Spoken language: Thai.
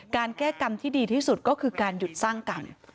แก้กรรมที่ดีที่สุดก็คือการหยุดสร้างกรรม